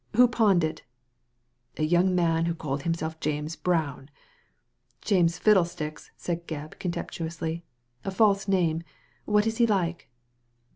Who pawned it ?" "A young man who called himself James Brown." "James Fiddlesticks," said Gebb, contemptuously —*' a false name. What was he like